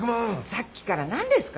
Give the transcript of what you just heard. さっきから何ですか？